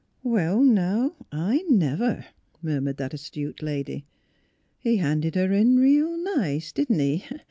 " Well, now, I never! " murmured that astute lady. '' He handed her in reel nice; didn't he!